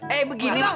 eh begini bang